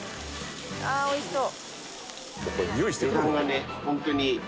ああ美味しそう。